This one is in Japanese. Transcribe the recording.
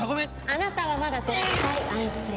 あなたはまだ絶対安静！